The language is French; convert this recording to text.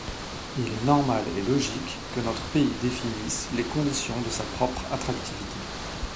Il est normal et logique que notre pays définisse les conditions de sa propre attractivité.